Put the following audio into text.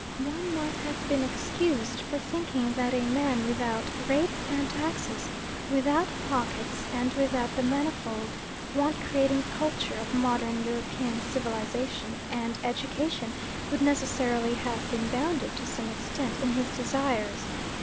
One might have been excused for thinking that a man without rates and taxes, without pockets, and without the manifold, want creating culture of modern European civilisation and education would necessarily have been bounded, to some extent, in his desires.